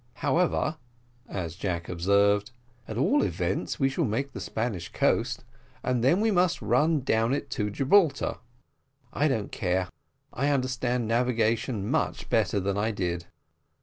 "However," as Jack observed, "at all events we shall make the Spanish coast, and then we must run down it to Gibraltar: I don't care I under stand navigation much better than I did."